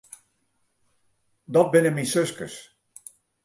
Dat binne myn suskes.